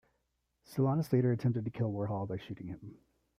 Solanas later attempted to kill Warhol by shooting him.